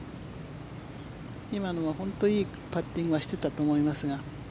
今のも本当にいいパッティングはしていたと思いますが。